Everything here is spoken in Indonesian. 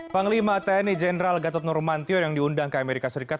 panglima tni jenderal gatot nurmantio yang diundang ke amerika serikat